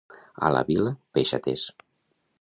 A la Vila, peixaters.